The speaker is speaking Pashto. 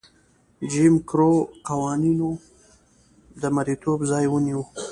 جیم کرو قوانینو د مریتوب ځای ونیو.